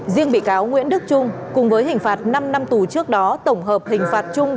riêng bị cáo nguyễn đức trung cùng với hình phạt năm năm tù trước đó tổng hợp hình phạt chung